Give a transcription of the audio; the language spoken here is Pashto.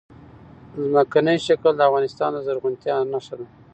ځمکنی شکل د افغانستان د زرغونتیا نښه ده.